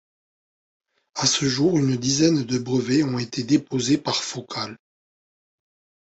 À ce jour, une dizaine de brevets ont été déposés par Focal.